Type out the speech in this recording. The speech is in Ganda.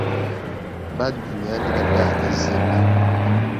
Badru, yandibadde agezze nnyo.